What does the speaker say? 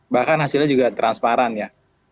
bahkan hasilnya juga transparan ya